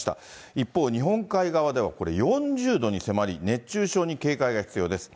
一方、日本海側ではこれ、４０度に迫り、熱中症に警戒が必要です。